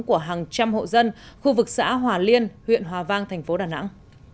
của hàng trăm hộ dân khu vực xã hòa liên huyện hòa vang thành phố đà nẵng